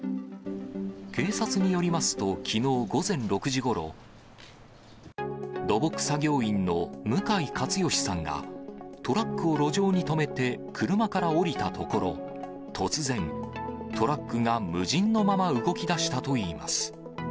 警察によりますと、きのう午前６時ごろ、土木作業員の向井克佳さんが、トラックを路上に止めて、車から降りたところ、突然、トラックが無人のまま動きだしたといいます。